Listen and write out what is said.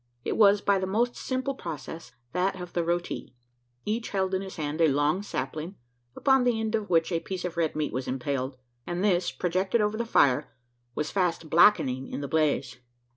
It was by the most simple process that of the roti. Each held in his hand a long sapling, upon the end of which a piece of red meat was impaled; and this, projected over the fire, was fast blackening in the blaze.